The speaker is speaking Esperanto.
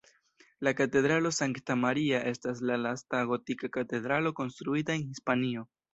La Katedralo Sankta Maria estas la lasta gotika katedralo konstruita en Hispanio.